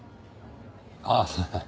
ああ。